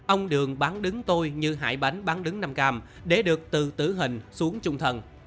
ông đường bán đứng tôi như hải bánh bán đứng năm cam để được từ tử hình xuống chung thân